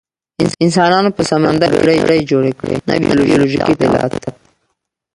انسانانو په سمندر کې بیړۍ جوړې کړې، نه بیولوژیکي تعدیلات.